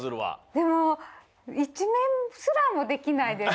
でも１めんすらもできないです。